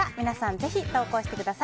ぜひ投稿してください。